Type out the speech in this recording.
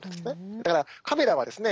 だからカメラはですね